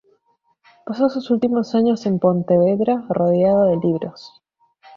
Pasó sus últimos años en Pontevedra, rodeado de sus libros.